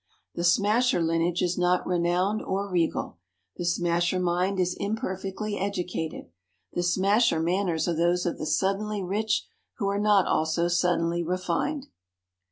The Smasher lineage is not renowned or regal; the Smasher mind is imperfectly educated; the Smasher manners are those of the suddenly rich who are not also suddenly refined.